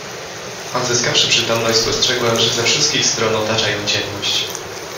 Odzyskawszy przytomność, spostrzegła, że ze wszystkich stron otacza ją ciemność.